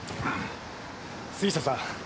杉下さん